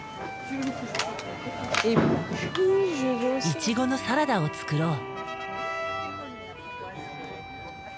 イチゴのサラダを作ろう。